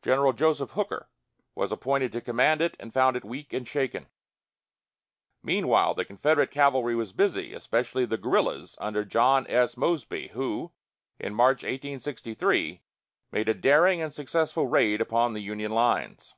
General Joseph Hooker was appointed to command it and found it weak and shaken. Meanwhile, the Confederate cavalry was busy, especially the guerrillas under John S. Mosby, who, in March, 1863, made a daring and successful raid upon the Union lines.